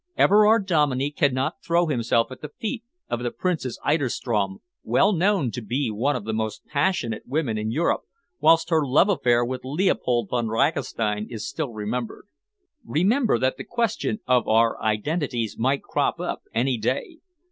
Everard Dominey cannot throw himself at the feet of the Princess Eiderstrom, well known to be one of the most passionate women in Europe, whilst her love affair with Leopold Von Ragastein is still remembered. Remember that the question of our identities might crop up any day.